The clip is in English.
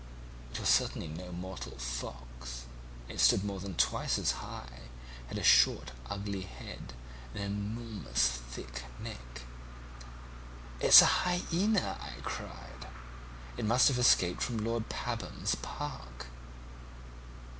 "It was certainly no mortal fox. It stood more than twice as high, had a short, ugly head, and an enormous thick neck. "'It's a hyaena,' I cried; 'it must have escaped from Lord Pabham's Park.'